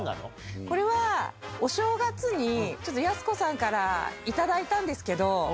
これは、お正月に、ちょっとやす子さんから頂いたんですけど。